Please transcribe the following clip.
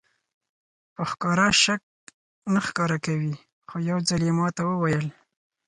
په ښکاره شک نه ښکاره کوي خو یو ځل یې ماته وویل.